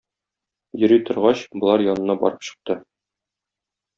Йөри торгач, болар янына барып чыкты.